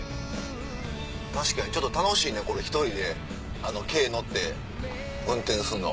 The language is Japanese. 確かにちょっと楽しいね１人で軽乗って運転するの。